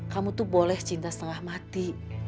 kamu tuh boleh cinta setengah mati